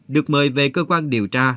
được mời về cơ quan điều tra